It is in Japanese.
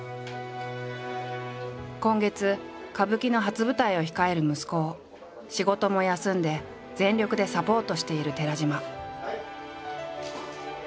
今月歌舞伎の初舞台を控える息子を仕事も休んで全力でサポートしている寺島。